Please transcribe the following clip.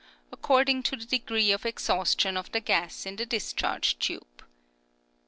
according to the degree of exhaustion of the gas in discharge tube.